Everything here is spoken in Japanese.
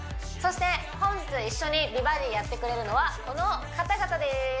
そして本日一緒に美バディやってくれるのはこの方々です